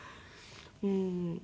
うん。